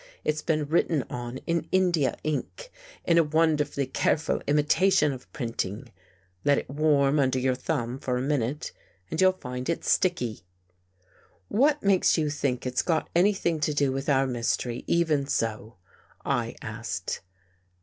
It's been written on in India ink, in a wonderfully careful imi tation of printing. Let it warm under your thumb for a minute and you'll find it's sticky." " What makes you think it's got anything to do with our mystery, even so ?" I asked.